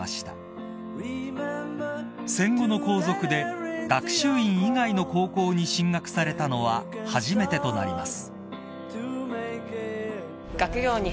［戦後の皇族で学習院以外の高校に進学されたのは初めてとなります］